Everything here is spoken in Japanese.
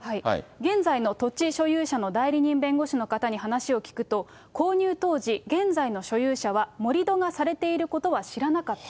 現在の土地所有者の代理人弁護士の方の話を聞くと、購入当時、現在の所有者は盛り土がされていることは知らなかった。